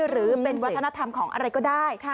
หรือเป็นวัฒนธรรมของอะไรก็ได้